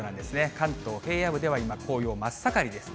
関東平野部では今、紅葉真っ盛りです。